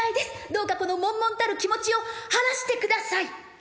どうかこのもんもんたる気持ちを晴らしてください」。